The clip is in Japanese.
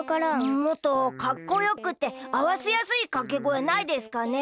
もっとかっこよくてあわせやすいかけごえないですかね？